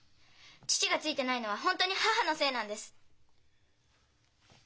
父がツイてないのは本当に母のせいなんです。